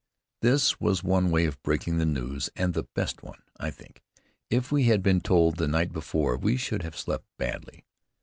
This was one way of breaking the news, and the best one, I think. If we had been told the night before, we should have slept badly.